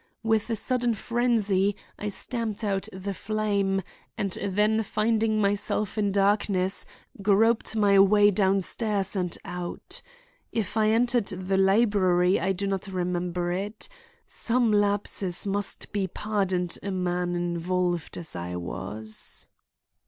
With a sudden frenzy, I stamped out the flame, and then finding myself in darkness, groped my way downstairs and out. If I entered the library I do not remember it. Some lapses must be pardoned a man involved as I was."